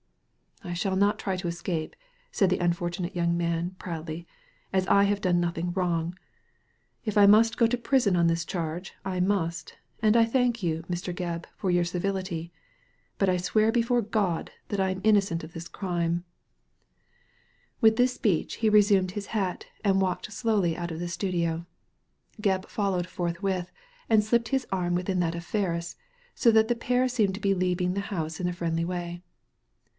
I shall not try to escape," said the unfortunate young man, proudly, ''as I have done nothing wrong. If I must go to prison on this charge, I must ; and I thank you, Mr. Gebb, for your civility, but I swear before God that I am innocent of this crime." Digitized by Google ARTHUR FERRIS 137 With this speech he resumed his hat and walked slowly out of the studio. Gebb followed forthwith, and slipped his arm within that of Ferris, so that the pair seemed to be leaving the house in a friendly way.